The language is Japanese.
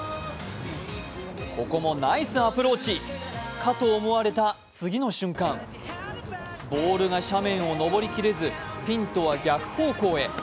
ここもナイスアプローチ、と思われた次の瞬間、ボールが斜面を上りきれず、ピンとは逆方向へ。